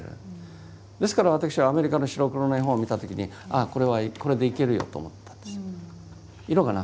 ですから私はアメリカの白黒の絵本を見た時にああこれはこれでいけるよと思ったんです。